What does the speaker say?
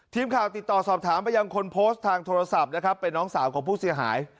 ทีมข่าวติดต่อสอบถามไปยังคนโพสต์ทางโทรศัพท์นะครับเป็นน้องสาวของผู้เสียหาย